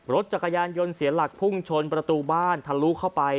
รถจักรยานยนต์เสียหลักพุ่งชนประตูบ้านทะลุเข้าไป